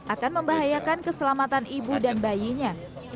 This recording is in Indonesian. akan membahayakan keselamatan ibu dan bayinya